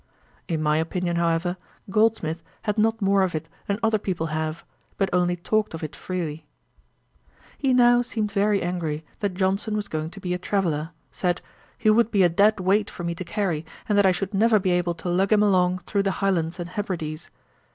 In my opinion, however, Goldsmith had not more of it than other people have, but only talked of it freely. He now seemed very angry that Johnson was going to be a traveller; said 'he would be a dead weight for me to carry, and that I should never be able to lug him along through the Highlands and Hebrides.'